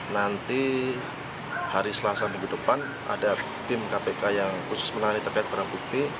nanti hari selasa minggu depan ada tim kpk yang khusus menangani terkait barang bukti